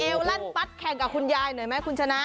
มาเอวลัดปัดแข่งกับคุณยายหน่อยมั้ยคุณชนะ